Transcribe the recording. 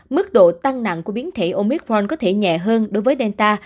mức độ tăng nặng của biến thể omicron có thể nhẹ hơn đối với delta